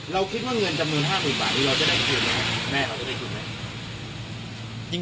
เราคิดว่าเงินจำนวน๕๐๐๐บาทนี้เราจะได้ไปคืนไหมแม่เขาจะไปคืนไหม